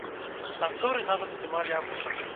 Танцоры нават здымалі абутак.